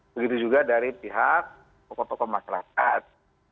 begitu juga dari pihak tokoh tokoh masyarakat